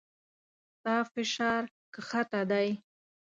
ستا فشار کښته دی